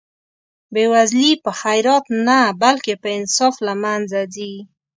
بې وزلي په خیرات نه بلکې په انصاف له منځه ځي.